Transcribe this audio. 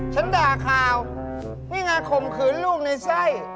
เปล่านี่ไงขมขืนลูกในไส้